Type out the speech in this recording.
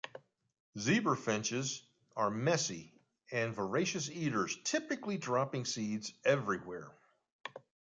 Zebra finches are messy and voracious eaters, typically dropping seeds everywhere.